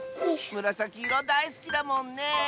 むらさきいろだいすきだもんね！